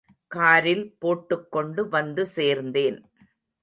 காரில் போட்டுக் கொண்டு வந்து சேர்ந்தேன்.